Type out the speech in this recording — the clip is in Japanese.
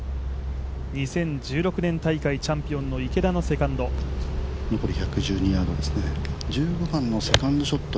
２０１６年大会チャンピオンの池田勇太のセカンドショット。